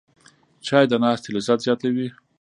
چای د ناستې لذت زیاتوي